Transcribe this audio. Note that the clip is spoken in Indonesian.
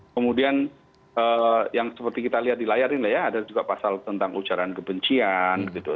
kemudian yang seperti kita lihat di layar ini ya ada juga pasal tentang ujaran kebencian gitu